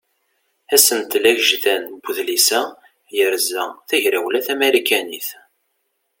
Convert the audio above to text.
Asentel agejdan n udlis-a yerza tagrawla tamarikanit.